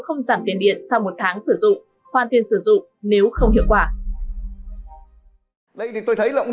tiết kiệm điện sau một tháng sử dụng khoan tiền sử dụng nếu không hiệu quả đây thì tôi thấy lòng